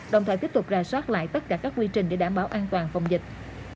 đồng thời tiếp tục ra soát lại tất cả các quy trình để đảm bảo an toàn phòng dịch